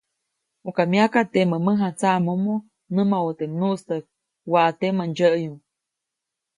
ʼUka myaka teʼmä mäjatsaʼmomo, nämawä teʼ nyuʼstäjk waʼa temä ndsyäʼyu.